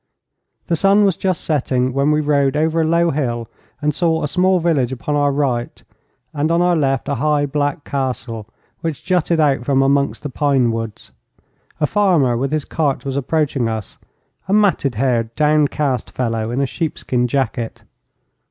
The sun was just setting when we rode over a low hill and saw a small village upon our right, and on our left a high black castle, which jutted out from amongst the pine woods. A farmer with his cart was approaching us a matted haired, downcast fellow, in a sheepskin jacket.